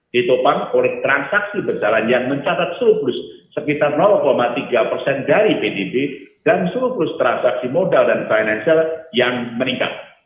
ditopang oleh transaksi berjalan yang mencatat surplus sekitar tiga persen dari pdb dan surplus transaksi modal dan financial yang meningkat